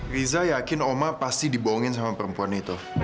riza yakin oma pasti dibohongin sama perempuan itu